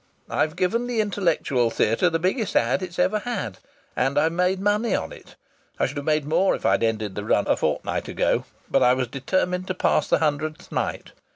I've given the intellectual theatre the biggest ad. it ever had. And I've made money on it. I should have made more if I'd ended the run a fortnight ago, but I was determined to pass the hundredth night.